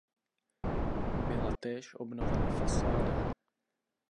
Byla též obnovena fasáda.